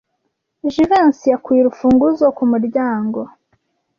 Jivency yakuye urufunguzo ku muryango.